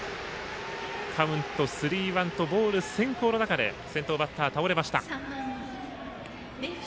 カウント、スリーワンとボール先行の中で先頭バッター倒れました。